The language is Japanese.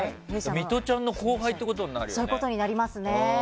ミトちゃんの後輩ってことになるよね。